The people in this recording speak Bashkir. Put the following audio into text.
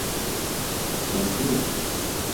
Шәмсиә.